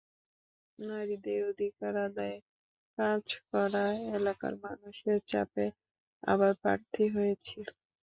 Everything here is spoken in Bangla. নারীদের অধিকার আদায়ে কাজ করায় এলাকার মানুষের চাপে আবার প্রার্থী হয়েছি।